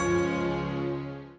aku akan menangkapmu